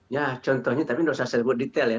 ya contohnya tapi nggak usah selalu detail ya